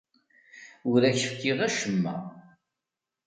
Ur ak-fkiɣ acemma.